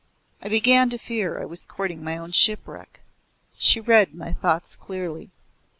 I began to fear I was courting my own shipwreck. She read my thoughts clearly.